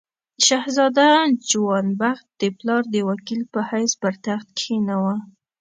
شهزاده جوان بخت د پلار د وکیل په حیث پر تخت کښېناوه.